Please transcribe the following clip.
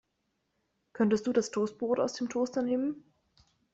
Könntest du das Toastbrot aus dem Toaster nehmen?